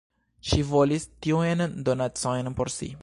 Ŝi volis tiujn donacojn por si.